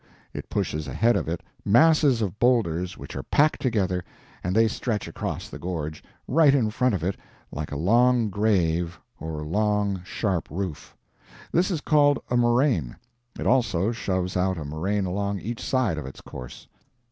It pushes ahead of it masses of boulders which are packed together, and they stretch across the gorge, right in front of it, like a long grave or a long, sharp roof. This is called a moraine. It also shoves out a moraine along each side of its course.